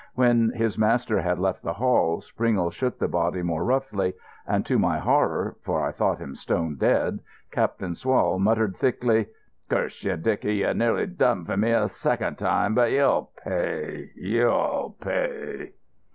When his master had left the hall, Springle shook the body more roughly, and to my horror, for I thought him stone dead, Captain Swall muttered thickly: "Curse you, Dicky, you nearly done for me a second time, but you'll pay—you'll pay."